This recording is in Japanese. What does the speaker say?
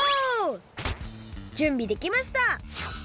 じゅんびできました！